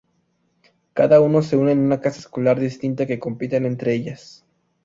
Cada uno se une en una casa escolar distinta que compiten entre ellas.